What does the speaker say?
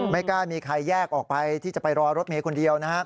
ไม่กล้ามีใครแยกออกไปที่จะไปรอรถเมย์คนเดียวนะฮะ